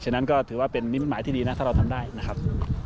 ฉะนั้นก็ถือว่าเป็นนิมิตหมายที่ดีนะถ้าเราทำได้นะครับ